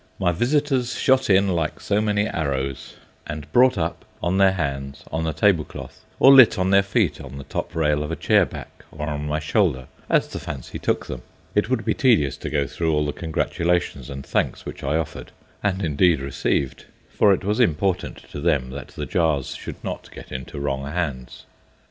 My visitors shot in like so many arrows, and "brought up" on their hands on the tablecloth, or lit on their feet on the top rail of a chair back or on my shoulder, as the fancy took them. It would be tedious to go through all the congratulations and thanks which I offered, and indeed received, for it was important to them that the Jars should not get into wrong hands.